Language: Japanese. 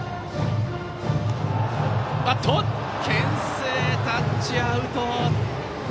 けん制、タッチアウト！